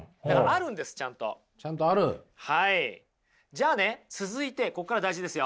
じゃあね続いてここから大事ですよ。